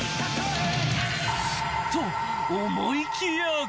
［と思いきや］